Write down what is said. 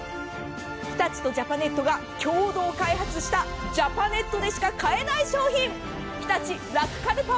日立とジャパネットが共同開発した、ジャパネットでしか買えない新商品。